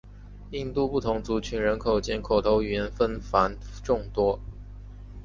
印度不同族群人口间口头语言纷繁众多。